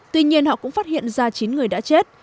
tuy nhiên họ cũng phát hiện ra chín người đã chết